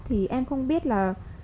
thì em không biết là